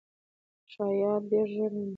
شایعات ډېر ژر مني.